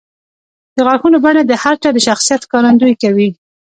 د غاښونو بڼه د هر چا د شخصیت ښکارندویي کوي.